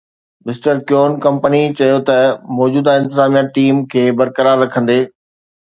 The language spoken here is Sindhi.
مسٽر کیون ڪمپني چيو ته موجوده انتظاميا ٽيم کي برقرار رکندي